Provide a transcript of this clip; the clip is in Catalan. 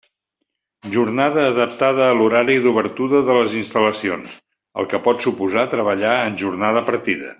Jornada adaptada a l'horari d'obertura de les instal·lacions, el que pot suposar treballar en jornada partida.